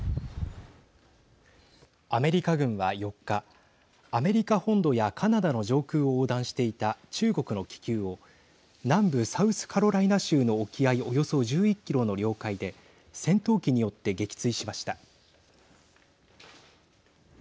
アメリカ軍は４日アメリカ本土やカナダの上空を横断していた中国の気球を南部サウスカロライナ州の沖合およそ１１キロの領海で戦闘機によって撃墜しました。